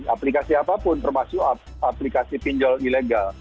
aplikasi apapun termasuk aplikasi pinjol ilegal